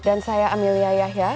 dan saya amelia yahya